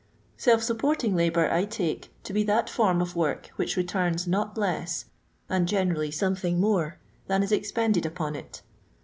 Self supporting labour I take to be that form of work which returns not less, and generally some thing more, than is expended upon it.